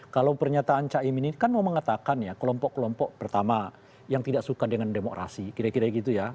kalau pernyataan caimin ini kan mau mengatakan ya kelompok kelompok pertama yang tidak suka dengan demokrasi kira kira gitu ya